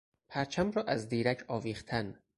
پرچم را از دیرک آویختن